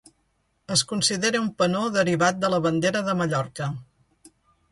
Es considera un penó derivat de la bandera de Mallorca.